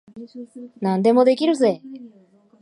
何でもできるぜ。